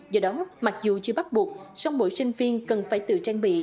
do đó mặc dù chưa bắt buộc song mỗi sinh viên cần phải tự trang bị